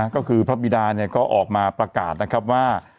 ก็คือพระบิดาก็ออกมาประกาศนะครับว่า